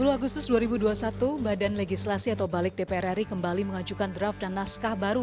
tiga puluh agustus dua ribu dua puluh satu badan legislasi atau balik dprri kembali mengajukan draft dan naskah baru